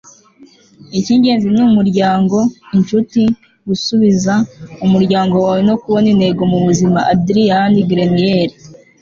icy'ingenzi ni umuryango, inshuti, gusubiza umuryango wawe no kubona intego mu buzima. - adrian grenier